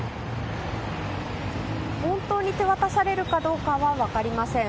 本当に手渡されるかどうかは分かりません。